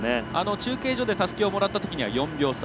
中継所でたすきをもらったときには４秒差。